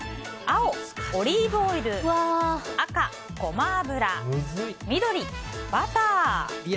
青、オリーブオイル赤、ゴマ油緑、バター。